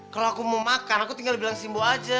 kalo aku mau makan aku tinggal bilang si imbu aja